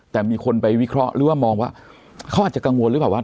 แต่มีคนไปวิเคราะห์หรือว่ามองว่าเขาอาจจะกังวลหรือเปล่าว่า